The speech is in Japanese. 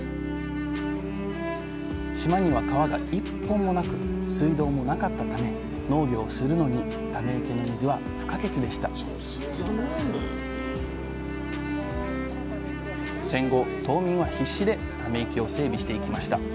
島には川が１本もなく水道も無かったため農業をするのにため池の水は不可欠でした戦後島民は必死でため池を整備していきました。